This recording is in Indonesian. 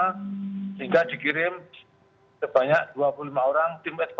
sehingga dikirim sebanyak dua puluh lima orang